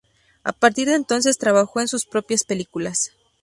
A partir de entonces trabajó en sus propias películas.